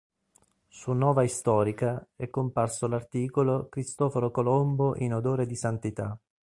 Su “Nova historica” è comparso l'articolo “Cristoforo Colombo in odore di santità”.